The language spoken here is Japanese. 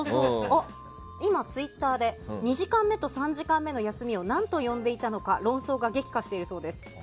今、ツイッターで２時間目と３時間目の休みを何と呼んでいたのか論争が激化しているそうです。